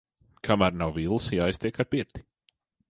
Kamēr nav villas, jāiztiek ar pirti.